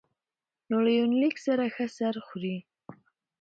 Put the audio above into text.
نو له يونليک سره ښه سر خوري